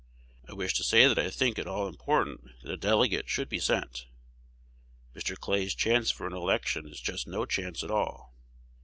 I wish to say that I think it all important that a delegate should be sent. Mr. Clay's chance for an election is just no chance at all.